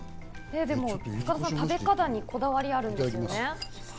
塚田さん、食べ方にこだわりがあるんですよね？